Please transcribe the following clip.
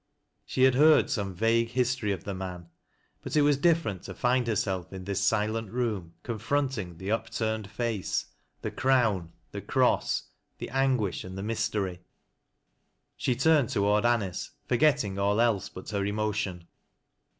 She had heard some vague history of the IVf an ; but it was different to find herself in this silent room, confronting the upturned face, the crown, the cross, the anguish and the mystery. She turned toward Anice, forgetting all else but her emotion.